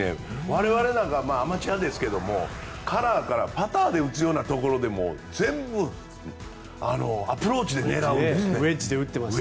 我々、アマチュアですがカラーからパターで打つようなところでも全部、アプローチで狙うんです。